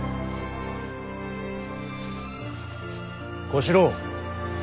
小四郎。